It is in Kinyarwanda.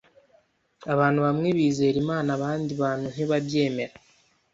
Abantu bamwe bizera Imana abandi bantu ntibabyemera.